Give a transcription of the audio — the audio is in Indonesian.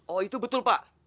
oh itu betul pak